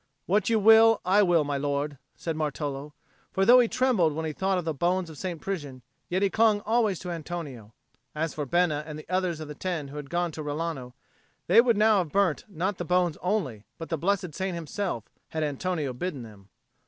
"What you will, I will, my lord," said Martolo. For though he trembled when he thought of the bones of St. Prisian, yet he clung always to Antonio. As for Bena and the others of the ten who had gone to Rilano, they would now have burnt not the bones only, but the blessed saint himself, had Antonio bidden them.